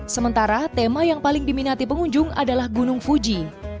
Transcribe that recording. sementara tema yang paling diminati pengunjung adalah gunung fuji